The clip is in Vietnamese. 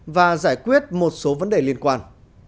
và giải quyết một số vấn đề liên quan